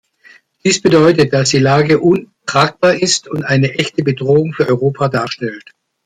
Dies bedeutet, dass die Lage untragbar ist und eine echte Bedrohung für Europa darstellt.